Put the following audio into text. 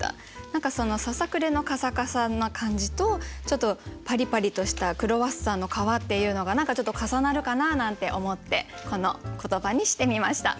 何かそのささくれのカサカサな感じとちょっとパリパリとしたクロワッサンの皮っていうのが何かちょっと重なるかななんて思ってこの言葉にしてみました。